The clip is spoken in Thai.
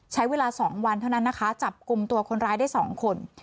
ใช้เวลา๒วันเท่านั้นนะคะจับกลุ่มตัวคนร้ายได้๒คน